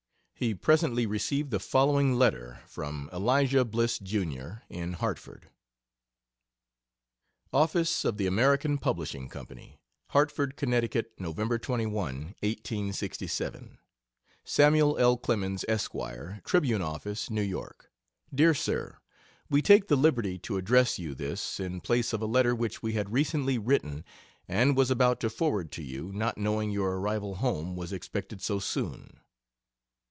He presently received the following letter: From Elisha Bliss, Jr., in Hartford OFFICE OF THE AMERICAN PUBLISHING COMPANY. HARTFORD, CONN, Nov 21, 1867. SAMUEL L. CLEMENS Esq. Tribune Office, New York. DR. SIR, We take the liberty to address you this, in place of a letter which we had recently written and was about to forward to you, not knowing your arrival home was expected so soon.